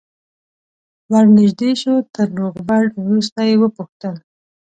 ور نژدې شو تر روغبړ وروسته یې وپوښتل.